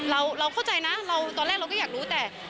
เราเข้าใจนะตอนแรกเราก็อยากรู้แต่